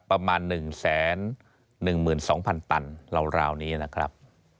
ประมาณ๑๑๒๐๐๐ตันราวนี้นะครับ